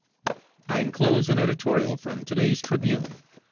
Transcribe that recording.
I inclose an editorial from to day's Tribune.